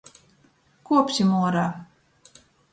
Kuopsim uorā!